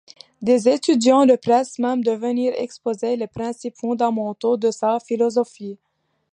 Des étudiants le pressent même de venir exposer les principes fondamentaux de sa philosophie.